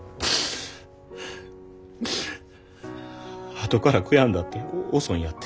あとから悔やんだって遅いんやて。